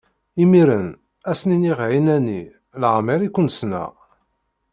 Imiren, ad sen-iniɣ ɛinani: Leɛmeṛ i ken-ssneɣ!